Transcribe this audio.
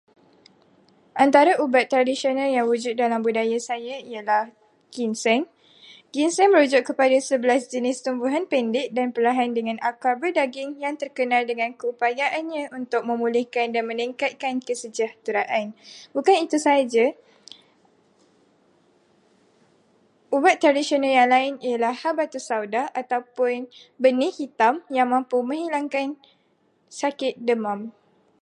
Antara ubat tradisional yang wujud dalam budaya saya ialah ginseng. Ginseng merujuk kepada 11 tumbuhan pendek dengan akar berdaging yang terkenal dengan keupayaannya untuk memulihkan dan meningkatkan kesejahteraan. Bukan itu sahaja, ubat tradisional yang lain ialah habatus sauda ataupun benih hitam yang mampu menghilangkan sakit demam.